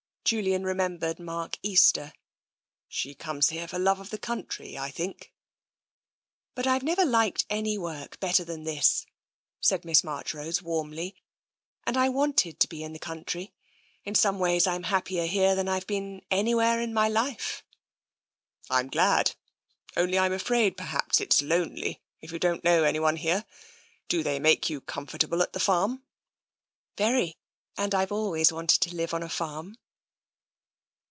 Julian remembered Mark Easter :" She comes here for love of the country, I think." " But I've never liked any work better than this," said Miss Marchrose warmly, " and I wanted to be in the country. In some ways, I'm happier here than I've been anywhere in my life." " I'm glad. Only I'm afraid perhaps it's lonely, if you don't know anyone here. Do they make you comfortable at the farm?" " Very, and I've always wanted to live on a farm."